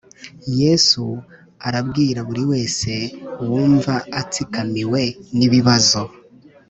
yezu arabwira buri wese wumva atsikamiwe nibibazo